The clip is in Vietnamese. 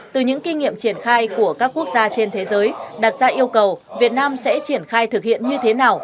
từ những kinh nghiệm triển khai của các quốc gia trên thế giới đặt ra yêu cầu việt nam sẽ triển khai thực hiện như thế nào